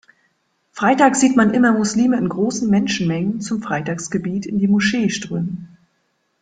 Freitags sieht man immer Muslime in großen Menschenmengen zum Freitagsgebet in die Moschee strömen.